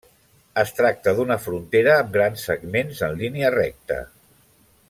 Es tracta d'una frontera amb grans segments en línia recta.